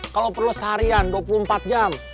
kalau perlu seharian dua puluh empat jam